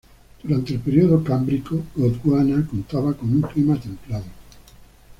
Durante el período Cámbrico, Gondwana contaba con un clima templado.